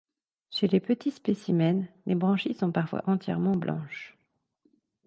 Chez les petits spécimens, les branchies sont parfois entièrement blanches.